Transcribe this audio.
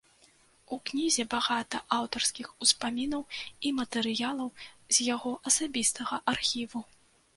У кнізе багата аўтарскіх успамінаў і матэрыялаў з яго асабістага архіву.